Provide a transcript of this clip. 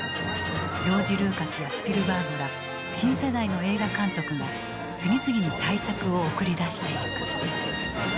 ジョージ・ルーカスやスピルバーグら新世代の映画監督が次々に大作を送り出していく。